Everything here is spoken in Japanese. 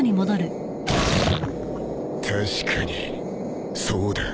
確かにそうだ。